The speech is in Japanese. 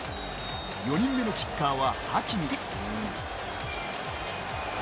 ４人目のキッカーはハキミ。